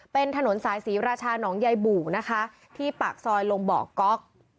เป็นถนนสายศรีราชาหนองใยบู่นะคะที่ปากซอยลงบ่อก๊อก